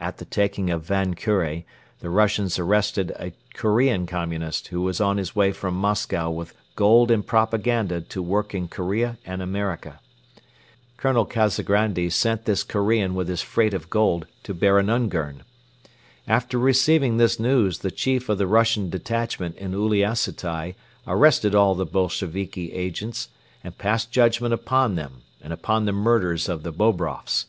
At the taking of Van Kure the Russians arrested a Korean Communist who was on his way from Moscow with gold and propaganda to work in Korea and America. Colonel Kazagrandi sent this Korean with his freight of gold to Baron Ungern. After receiving this news the chief of the Russian detachment in Uliassutai arrested all the Bolsheviki agents and passed judgment upon them and upon the murderers of the Bobroffs.